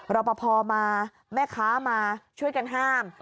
รอปภมาแม่ค้ามาช่วยกันห้าม